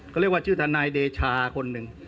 เขาเรียกว่าชื่อทนายเดชาคนหนึ่ง